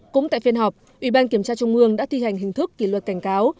cũng tại phiên họp ủy ban kiểm tra trung ương đã thi hành hình thức kỷ luật cảnh cáo